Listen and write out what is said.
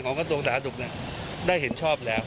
กระทรวงสาธารณสุขได้เห็นชอบแล้ว